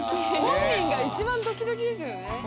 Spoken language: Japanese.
本人がいちばんドキドキですよね。